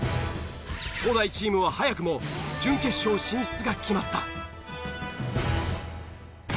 東大チームは早くも準決勝進出が決まった。